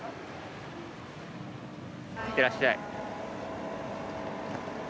行ってらっしゃい。